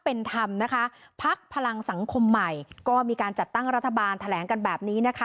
เป็นธรรมนะคะพักพลังสังคมใหม่ก็มีการจัดตั้งรัฐบาลแถลงกันแบบนี้นะคะ